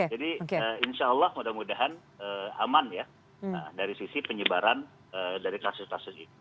jadi insyaallah mudah mudahan aman ya dari sisi penyebaran dari kasus kasus itu